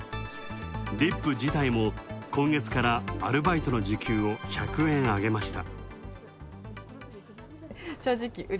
ディップ自体も今月からアルバイトの時給を１００円、上げました